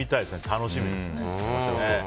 楽しみです。